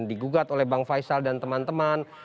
digugat oleh bang faisal dan teman teman